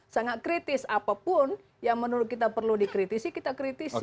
sangat kritis apapun yang menurut kita perlu dikritisi kita kritisi